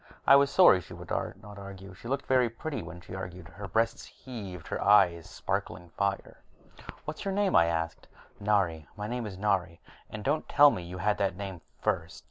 I was sorry she would not argue. She looked very pretty when she argued, her breasts heaving, her eyes sparkling fire. "What's your name?" I asked. "Nari. My name is Nari. And don't tell me you had that name first!"